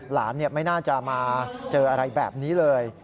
หลานไม่น่าจะมาเจออะไรแบบนี้เลย